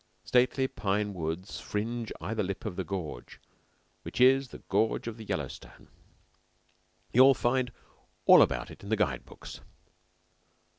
Stately pine woods fringe either lip of the gorge, which is the gorge of the Yellowstone. You'll find all about it in the guide books.